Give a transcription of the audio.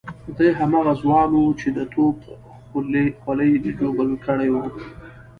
دی هماغه ځوان وو چې د توپ خولۍ ژوبل کړی وو.